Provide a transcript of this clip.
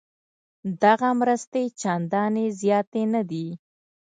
دغه مرستې چندانې زیاتې نه دي.